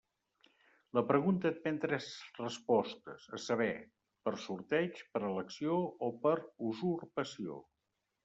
La pregunta admet tres respostes, a saber, per sorteig, per elecció o per usurpació.